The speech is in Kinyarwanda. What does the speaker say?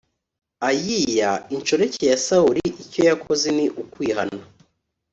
ayiya inshoreke ya sawuli icyo yakoze ni ukwihana